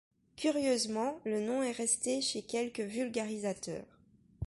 Curieusement, le nom est resté chez quelques vulgarisateurs.